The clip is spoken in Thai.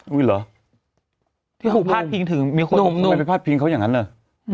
อุ้ยเหรอที่หูพาดพิงถึงมีคนไปพาดพิงเขาอย่างนั้นเหรอ